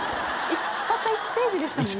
たった１ページでしたもんね